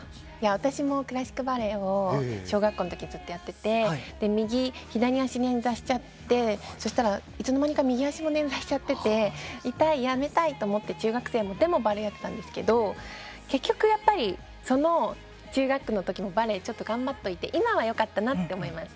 私もクラシックバレエを小学校のときずっとやっていて左足、捻挫しちゃってそうしたらいつの間にか右足も捻挫していて痛い、やめたいと思って中学生でもバレエをやっていたんですけど結局中学校のときもバレエを頑張っておいて今はよかったなと思います。